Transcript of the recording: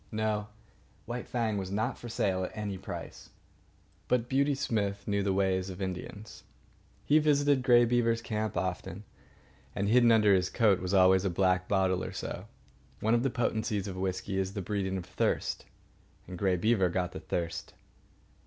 No, White Fang was not for sale at any price. But Beauty Smith knew the ways of Indians. He visited Grey Beaver's camp often, and hidden under his coat was always a black bottle or so. One of the potencies of whisky is the breeding of thirst. Grey Beaver got the thirst.